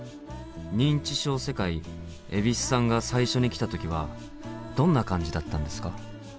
認知症世界蛭子さんが最初に来た時はどんな感じだったんですか？